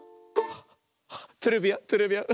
トレビアントレビアン。